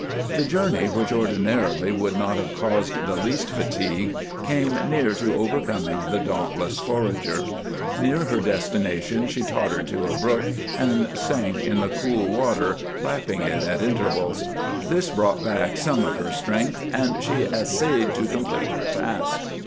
The journey, which ordinarily would not have caused the least fatigue, came near to overcoming the dauntless forager. Near her destination she tottered to a brook and sank in the cool water, lapping it at intervals. This brought back some of her strength, and she essayed to complete her task.